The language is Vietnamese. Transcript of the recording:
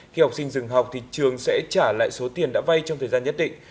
khi học sinh dừng học thì trường sẽ trả lại số tiền đã vay trong thời gian nhất định